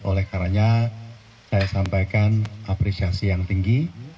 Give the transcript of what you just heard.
oleh karanya saya sampaikan apresiasi yang tinggi